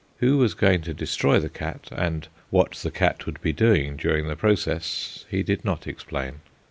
Who was going to destroy the cat, and what the cat would be doing during the process, he did not explain.